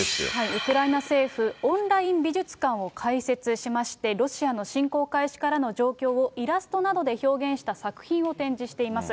ウクライナ政府、オンライン美術館を開設しまして、ロシアの侵攻開始からの状況をイラストなどで表現した作品を展示しています。